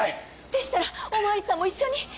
でしたらお巡りさんも一緒に。